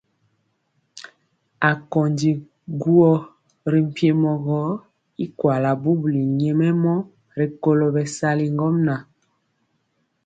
Akondi guo ri mpiemɔ gɔ y kuala bubuli nyɛmemɔ rikolo bɛsali ŋgomnaŋ.